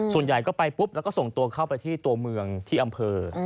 ส่วนใหญ่ก็ไปปุ๊บแล้วก็ส่งตัวเข้าไปที่ตัวเมืองที่อำเภอ